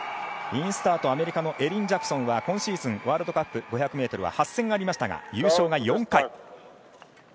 インスタート、アメリカのエリン・ジャクソンは今シーズン、ワールドカップ５００ｍは８戦ありましたが優勝が４回。